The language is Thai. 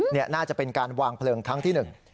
นี่น่าจะเป็นการวางเพลิงครั้งที่หนึ่ง